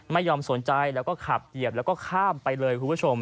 ไม่ยอมสนใจแล้วก็ขับเหยียบแล้วก็ข้ามไปเลยคุณผู้ชม